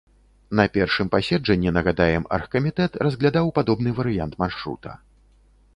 На першым паседжанні, нагадаем, аргкамітэт разглядаў падобны варыянт маршрута.